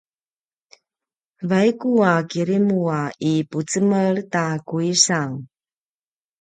vaiku a kirimu a ipucemel ta kuisang